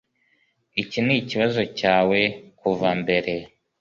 Iki nikibazo cyawe kuva mbere.